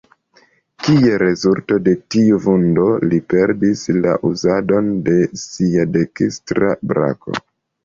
Kiel rezulto de tiu vundo, li perdis la uzadon de sia dekstra brako.